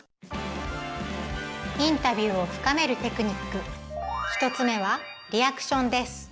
インタビューを深めるテクニック１つ目は「リアクション」です。